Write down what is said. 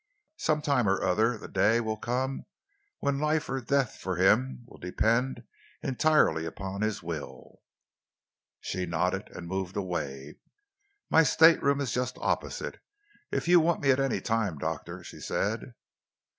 Sometime or other the day will come when life or death for him will depend entirely upon his will." She nodded and moved away. "My stateroom is just opposite, if you want me at any time, doctor," she said.